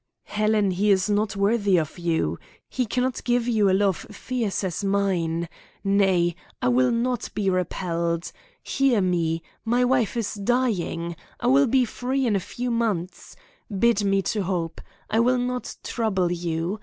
"Helen, he is not worthy of you. He cannot give you a love fierce as mine. Nay, I will not be repelled. Hear me. My wife is dying. I will be free in a few months. Bid me to hope. I will not trouble you.